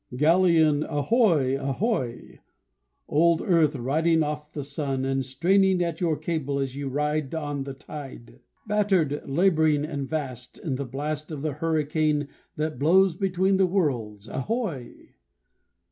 Galleon, ahoy, ahoy! Old earth riding off the sun, And straining at your cable as you ride On the tide, Battered laboring and vast, In the blast Of the hurricane that blows between the worlds, Ahoy!